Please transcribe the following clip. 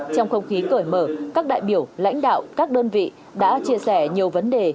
trong không khí cởi mở các đại biểu lãnh đạo các đơn vị đã chia sẻ nhiều vấn đề